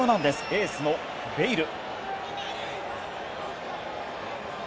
エースのベイル。